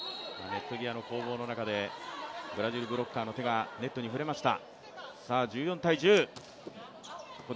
ネット際の攻防の中でブラジルブロッカーの手がネットに触れました。